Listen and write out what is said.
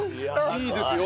いいですよ。